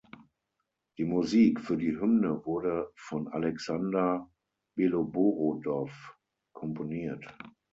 Die Musik für die Hymne wurde von Alexander Beloborodov komponiert.